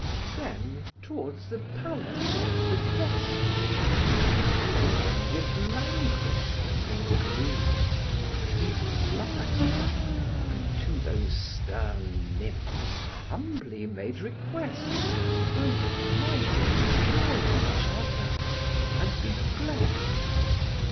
Then towards the palace of the Destinies, Laden with languishment and grief, he flies, And to those stern nymphs humbly made request, Both might enjoy each other, and be blest.